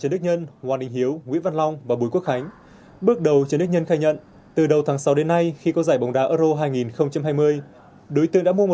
bốn đối tượng bị bắt gồm trần đức nhân hoàng đình hiếu nguyễn văn long và bùi quốc khánh